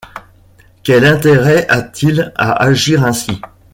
Quel intérêt a-t-il à agir ainsi